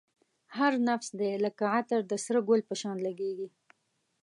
هر نفس دی لکه عطر د سره گل په شان لگېږی